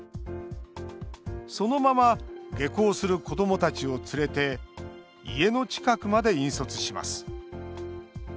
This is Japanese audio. そのまま下校する子どもたちを連れて家の近くまで引率します。